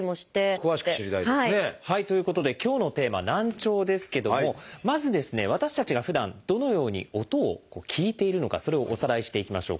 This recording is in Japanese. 詳しく知りたいですね。ということで今日のテーマ「難聴」ですけどもまず私たちがふだんどのように音を聞いているのかそれをおさらいしていきましょう。